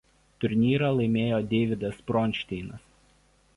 Turnyrą laimėjo Deividas Bronšteinas.